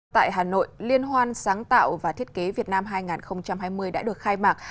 tại hà nội liên hoan sáng tạo và thiết kế việt nam hai nghìn hai mươi đã được khai mạc